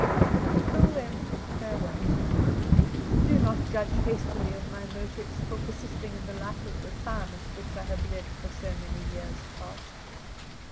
Till then, farewell! Do not judge hastily of my motives for persisting in the life of retirement which I have led for so many years past.